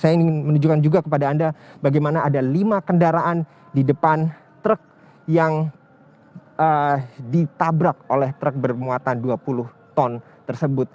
saya ingin menunjukkan juga kepada anda bagaimana ada lima kendaraan di depan truk yang ditabrak oleh truk bermuatan dua puluh ton tersebut